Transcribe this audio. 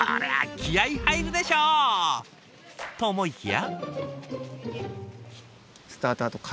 気合い入るでしょ！と思いきや。